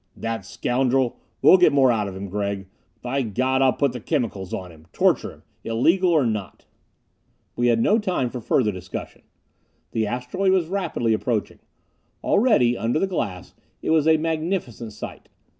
"That scoundrel! We'll get more out of him, Gregg. By God, I'll put the chemicals on him torture him, illegal or not!" We had no time for further discussion. The asteroid was rapidly approaching. Already, under the glass, it was a magnificent sight.